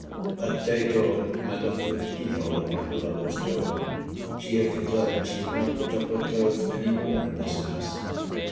At day dawn I looked through the key hole of my beloved's door. She had declared she would not put off her clothes any more in this house.